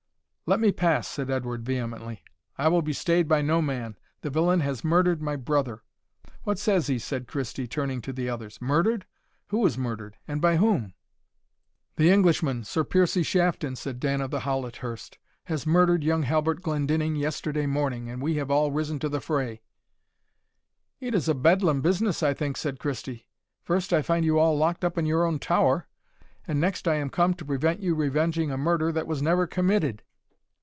"Let me pass," said Edward, vehemently, "I will be staid by no man the villain has murdered my brother!" "What says he?" said Christie, turning to the others; "murdered? who is murdered, and by whom?" "The Englishman, Sir Piercie Shafton," said Dan of the Howlet hirst, "has murdered young Halbert Glendinning yesterday morning, and we have all risen to the fray." "It is a bedlam business, I think," said Christie. "First I find you all locked up in your own tower, and next I am come to prevent you revenging a murder that was never committed!"